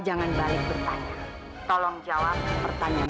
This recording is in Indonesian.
jangan beri maklum balik